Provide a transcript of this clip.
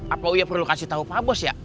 apa uya perlu kasih tau pak bos ya